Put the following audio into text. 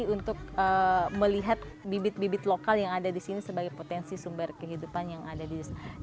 untuk melihat bibit bibit lokal yang ada di sini sebagai potensi sumber kehidupan yang ada di desa